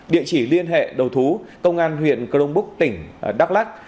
địa chỉ liên hệ đầu thú công an huyện cơ đông búc tỉnh đắk lắc